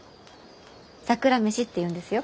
桜飯っていうんですよ。